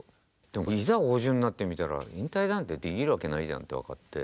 でもいざ５０になってみたら引退なんてできるわけないじゃんって分かって。